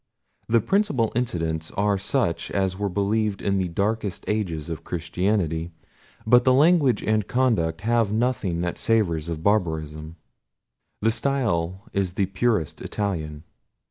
The principal incidents are such as were believed in the darkest ages of Christianity; but the language and conduct have nothing that savours of barbarism. The style is the purest Italian.